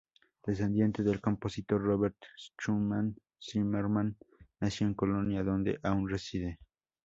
Descendiente del compositor Robert Schumann, Zimmerman nació en Colonia, donde aún reside.